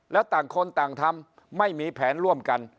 แล้วต่างคนต่างทำไม่มีแผนร่วมกัน